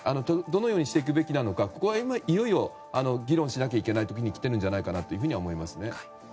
これが本当にどのようにしていくべきなのかここはいよいよ議論しなきゃいけない時に来ているんじゃないかと思いますね。